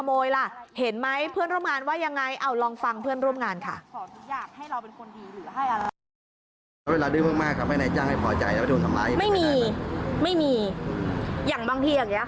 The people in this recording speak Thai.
ไม่มีอย่างบางทีอย่างนี้